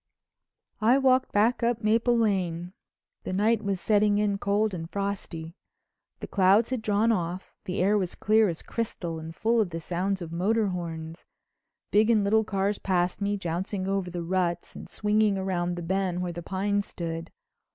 I walked back up Maple Lane. The night was setting in cold and frosty. The clouds had drawn off, the air was clear as crystal and full of the sounds of motor horns. Big and little cars passed me, jouncing over the ruts and swinging round the bend where the pine stood.